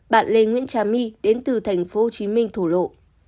bạn lê nguyễn trà my đến từ thành phố hồ chí minh thủ lộ